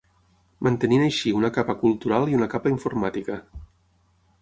Mantenint així una capa cultural i una capa informàtica.